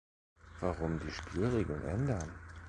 Warum die Spielregeln ändern?